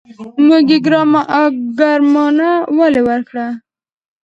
موږ يې ګرمانه ولې ورکړو.